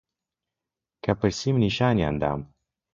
کە پرسیم نیشانیان دام